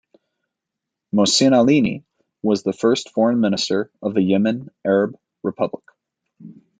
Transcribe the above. Mohsin Alaini was the first Foreign Minister of the Yemen Arab Republic.